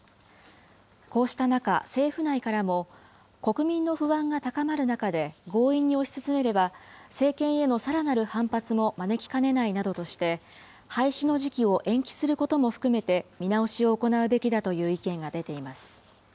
こうした中、政府内からも、国民の不安が高まる中で強引に推し進めれば、政権へのさらなる反発も招きかねないなどとして、廃止の時期を延期することも含めて見直しを行うべきだという意見が出ています。